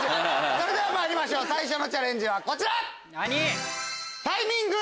それではまいりましょう最初のチャレンジはこちら！